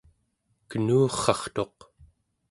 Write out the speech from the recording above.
kenurrartuq